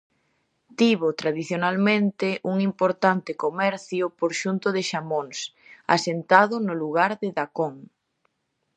Tivo tradicionalmente un importante comercio por xunto de xamóns, asentado no lugar de Dacón.